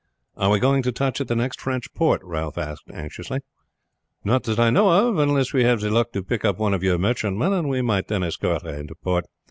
"Are we going to touch at the next French port?" Ralph asked anxiously. "Not that I know of, unless we have the luck to pick up one of your merchantmen, and we might then escort her into port.